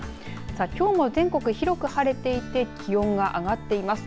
きょうも全国、広く晴れていて気温が上がっています。